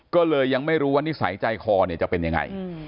ก็เลยยังไม่รู้ว่านิสัยใจคอเนี่ยจะเป็นยังไง